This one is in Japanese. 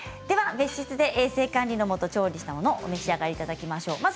別室で衛生管理のもと調理したものを召し上がっていただきましょう。